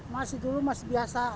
masih dulu masih biasa